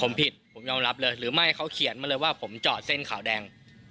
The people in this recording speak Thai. ผมผิดผมยอมรับเลยหรือไม่เขาเขียนมาเลยว่าผมจอดเส้นขาวแดง